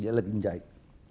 dia lagi menjahit